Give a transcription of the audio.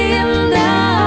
cinta yang kan menjagamu